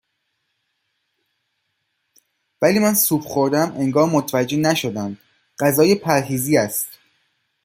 ولی من سوپ خوردم انگار متوجه نشدند غذای پرهیزی است